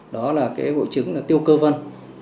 đó là bội chứng tiêu cơ vân